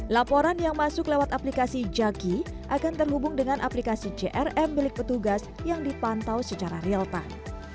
laporan yang masuk lewat aplikasi jaki akan terhubung dengan aplikasi crm milik petugas yang dipantau secara real time